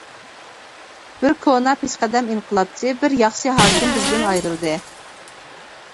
بىر كونا پېشقەدەم ئىنقىلابچى، بىر ياخشى ھاكىم بىزدىن ئايرىلدى.